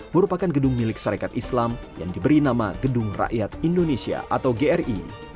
merupakan gedung milik sarekat islam yang diberi nama gedung rakyat indonesia atau gri